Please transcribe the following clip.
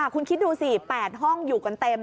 คุณคิดดูสิ๘ห้องอยู่กันเต็ม